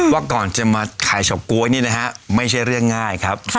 ว่าก่อนจะมาขายเฉาก๊วยนี่นะฮะไม่ใช่เรื่องง่ายครับ